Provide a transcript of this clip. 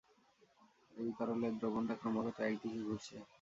এই তরলের দ্রবনটা ক্রমাগত একদিকে ঘুরছে!